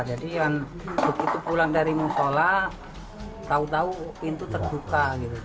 jadi begitu pulang dari musola tahu tahu pintu terbuka